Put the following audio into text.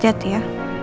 jangan sakit ya